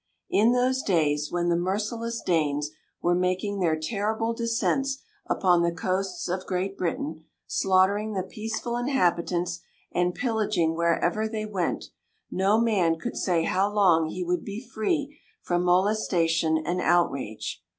In those days, when the merciless Danes were making their terrible descents upon the coasts of Great Britain, slaughtering the peaceful inhabitants, and pillaging wherever they went, no man could say how long he would be free from molestation and outrage.